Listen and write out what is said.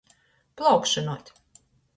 Plaukšynuot.